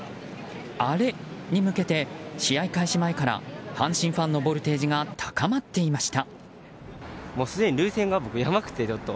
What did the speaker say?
アレに向けて、試合開始前から阪神ファンのボルテージが高まっていました。